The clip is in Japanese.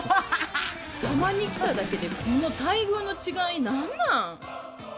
たまにきただけでこの待遇の違い、何なん。